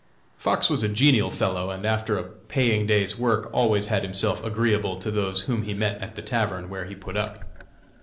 Fox was a genial fellow, and, after a paying day's work always made himself agreeable to those whom he met at the tavern where he put up.